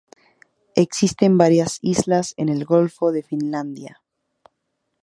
Existen varias islas en el golfo de Finlandia.